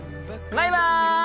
バイバイ。